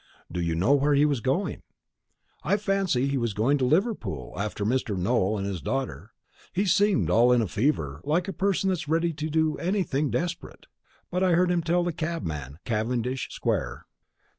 "Do you know where he was going?" "I fancy he was going to Liverpool after Mr. Nowell and his daughter. He seemed all in a fever, like a person that's ready to do anything desperate. But I heard him tell the cabman Cavendish square."